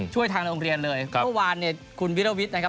ช่วยทางโรงเรียนเลยเมื่อวานเนี่ยคุณวิรวิทย์นะครับ